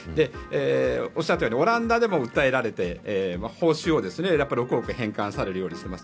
おっしゃったようにオランダでも訴えられて報酬を６億返還するように言われています。